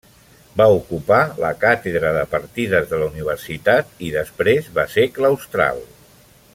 Va ocupar la càtedra de Partides de la Universitat i després va ser claustral.